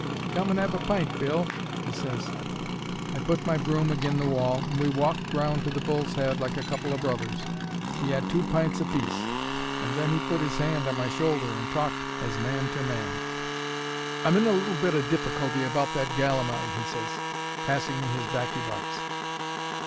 "'Come and 'ave a pint, Bill,' he ses. "I put my broom agin the wall, and we walked round to the Bull's Head like a couple o' brothers. We 'ad two pints apiece, and then he put his 'and on my shoulder and talked as man to man. "'I'm in a little bit o' difficulty about that gal o' mine,' he ses, passing me his baccy box.